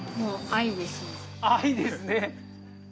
愛ですね？